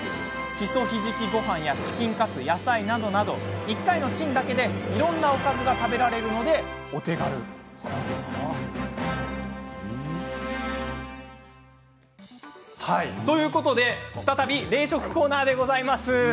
しそひじきごはんやチキンカツ野菜などなど１回のチンだけでいろんなおかずが食べられるのでお手軽ですよね。ということで再び冷食コーナーでございます。